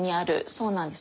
そうなんです。